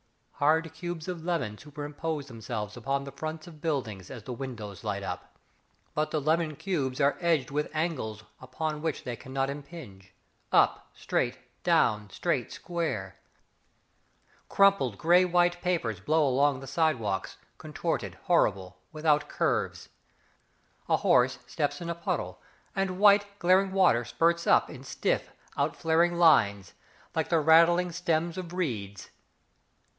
Hard cubes of lemon Superimpose themselves upon the fronts of buildings As the windows light up. But the lemon cubes are edged with angles Upon which they cannot impinge. Up, straight, down, straight square. Crumpled grey white papers Blow along the side walks, Contorted, horrible, Without curves. A horse steps in a puddle, And white, glaring water spurts up In stiff, outflaring lines, Like the rattling stems of reeds.